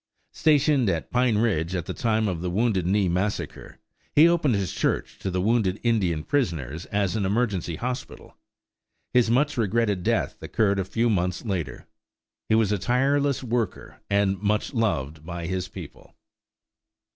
Stationed at Pine Ridge at the time of the Wounded Knee massacre, he opened his church to the wounded Indian prisoners as an emergency hospital. His much regretted death occurred a few months later. He was a tireless worker and much loved by his people.